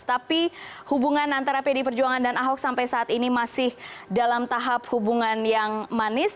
tapi hubungan antara pdi perjuangan dan ahok sampai saat ini masih dalam tahap hubungan yang manis